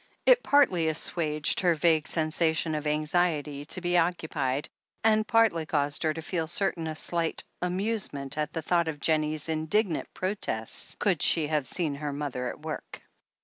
It partly assuaged her vague sensation of anxiety to be occupied, and partly caused her to feel certain a slight amusement at the thought of Jennie's indignant protests could she have seen her mother at work.